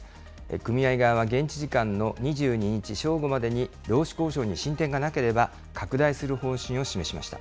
組合側は現地時間の２２日正午までに、労使交渉に進展がなければ、拡大する方針を示しました。